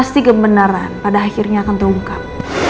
pasti kebenaran pada akhirnya akan terungkap